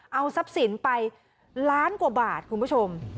เอาทรัพย์สินไปล้านกว่าบาทคุณผู้ชม